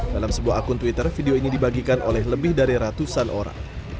dalam sebuah akun twitter video ini dibagikan oleh lebih dari ratusan orang